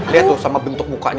liat lo sama bentuk mukanya